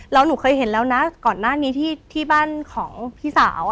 แล้วหนูเคยเห็นแล้วนะก่อนหน้านี้ที่บ้านของพี่สาว